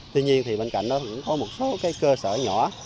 tuy nhiên thì bên cạnh đó cũng có một số cái cơ sở nhỏ